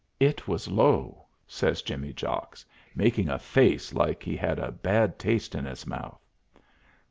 It was low," says Jimmy Jocks, making a face like he had a bad taste in his mouth.